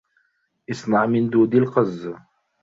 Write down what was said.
أصنع من دود القز